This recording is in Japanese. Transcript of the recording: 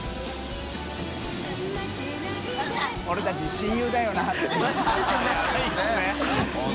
俺たち親友だよな」って